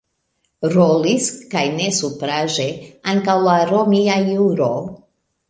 Rolis, kaj ne supraĵe, ankaŭ la romia juro.